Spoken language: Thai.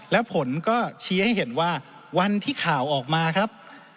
และผลก็ชี้ให้เห็นว่าวันที่ข่าวออกมาครับ